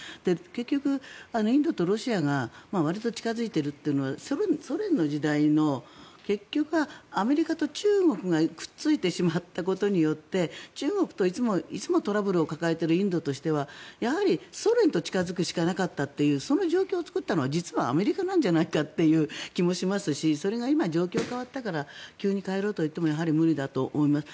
結局、インドとロシアがわりと近付いているというのはソ連の時代の、結局はアメリカと中国がくっついてしまったことによって中国といつもトラブルを抱えているインドとしてはやはりソ連と近付くしかなかったというその状況を作ったのは実はアメリカなんじゃないかという気もしますしそれが今、状況が変わったから急に変えろと言ってもやはり無理だと思います。